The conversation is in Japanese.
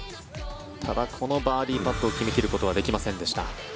ただこのバーディーパットを決め切ることはできませんでした。